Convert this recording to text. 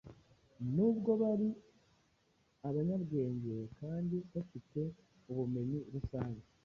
Nubwo bari abanyabwenge kandi bafite ubumenyi rusange,